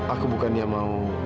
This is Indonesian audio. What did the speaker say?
aku bukan yang mau